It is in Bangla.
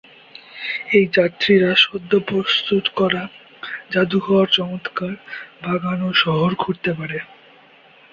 এই যাত্রীরা সদ্য প্রস্তুত করা জাদুঘর চমৎকার, বাগান ও শহর ঘুরতে পারে।